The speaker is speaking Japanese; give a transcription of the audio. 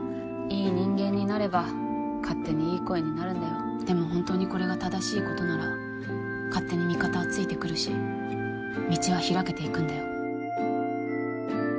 いい人間になれば勝手にいい声になるでもほんとにこれが正しいことなら勝手に味方はついてくるし道は開けていくんだよ。